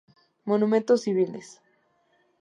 Monumentos civiles